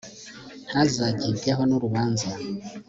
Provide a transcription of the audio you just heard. ntazagibweho n'urubanza